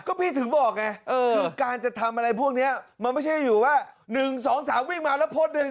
ก็พี่ถึงบอกไงคือการจะทำอะไรพวกนี้มันไม่ใช่อยู่ว่า๑๒๓วิ่งมาแล้วโพสต์หนึ่ง